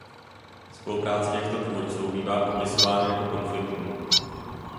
Spolupráce těchto tvůrců bývá popisována jako konfliktní.